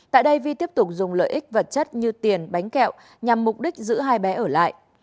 tại đây vi tiếp tục dùng lợi ích vật chất như tiền bánh kẹo nhằm mục đích giữ hai bé ở lại